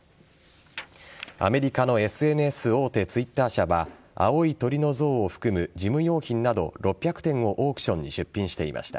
アメリカのＳＮＳ大手Ｔｗｉｔｔｅｒ社は青い鳥の像を含む事務用品など６００点をオークションに出品していました。